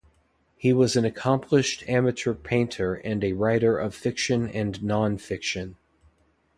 He was an accomplished amateur painter and a writer of fiction and non-fiction.